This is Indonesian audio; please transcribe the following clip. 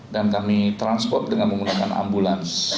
dan kami transport dengan menggunakan ambulans